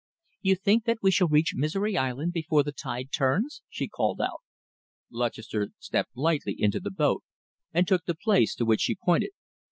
"You think that we shall reach Misery Island before the tide turns?" she called out. Lutchester stepped lightly into the boat and took the place to which she pointed.